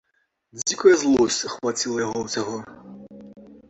Дзікая злосць ахваціла яго ўсяго.